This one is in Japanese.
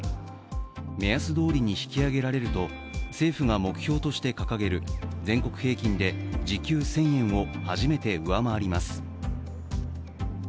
目安どおりに引き上げられると政府が目標として掲げる全国平均で時給１０００円を初めて上回ります。